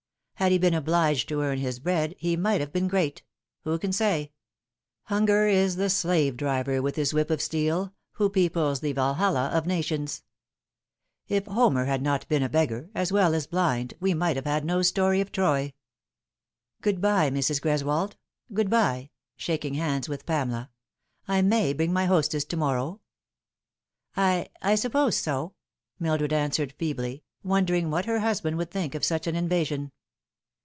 Had he been obliged to earn his bread, he might have been great. Who can say ? Hunger is the slave driver, with his whip of steel, who peoples the Valhalla of nations. If Homer had not been a beggar as well as blind we might have had no story of Troy. Good bye, Mrs. Greswold. Good bye," Shall She be Less than Another t 107 shaking hands with Pamela. "I may bring my hostess to morrow ?" "I I suppose so," Mildred answered feebly, wondering what her husband would think of such an invasion.